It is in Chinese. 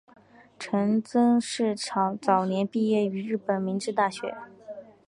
陈曾栻早年毕业于日本明治大学。